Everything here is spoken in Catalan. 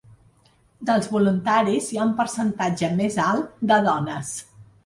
Dels voluntaris hi ha un percentatge més alt de dones.